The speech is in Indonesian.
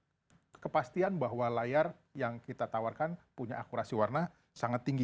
jadi ini merupakan kepastian bahwa layar yang kita tawarkan punya akurasi warna sangat tinggi